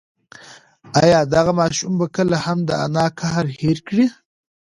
ایا دغه ماشوم به کله هم د انا قهر هېر کړي؟